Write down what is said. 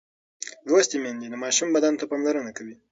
لوستې میندې د ماشوم بدن ته پاملرنه کوي.